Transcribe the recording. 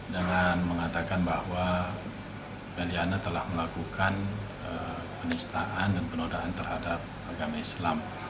dengan mengatakan bahwa meliana ini tidak berhasil